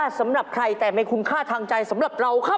จาก๒๐๐๐๐เป็น๔๐๐๐๐มา